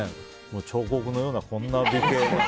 彫刻のようなこんな美形。